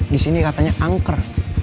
di sini katanya angker